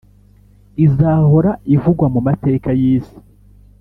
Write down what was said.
izahora ivugwa mu mateka y'isi,